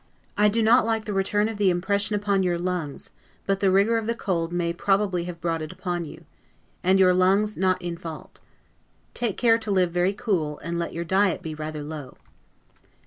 I do not like the return of the impression upon your lungs; but the rigor of the cold may probably have brought it upon you, and your lungs not in fault. Take care to live very cool, and let your diet be rather low.